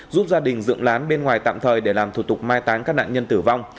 giúp gia đình dựng lán bên ngoài tạm thời để làm thủ tục mai táng các nạn nhân tử vong